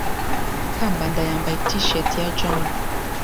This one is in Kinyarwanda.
Kambanda yambaye T-shirt ya John.